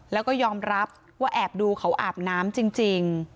แล้วก็ยอมรับว่าแอบดูเขาอาบน้ำจริง